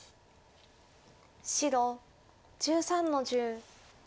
白１３の十。